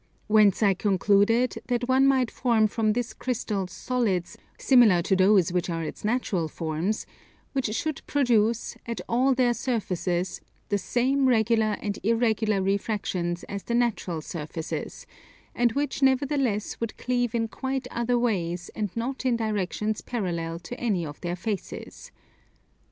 Whence I concluded that one might form from this crystal solids similar to those which are its natural forms, which should produce, at all their surfaces, the same regular and irregular refractions as the natural surfaces, and which nevertheless would cleave in quite other ways, and not in directions parallel to any of their faces.